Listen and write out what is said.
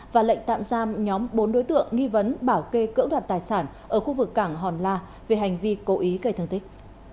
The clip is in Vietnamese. và lệnh tạm giam nhóm bốn đối tượng nghi vấn bảo kê cỡ đoạt tài sản ở khu vực cảng hòn la về hành vi cố ý gây thương tích